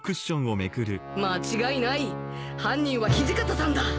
間違いない犯人は土方さんだ！